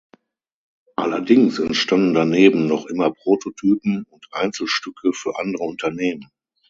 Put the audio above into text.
Allerdings entstanden daneben noch immer Prototypen und Einzelstücke für andere Unternehmen.